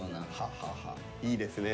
いいですね。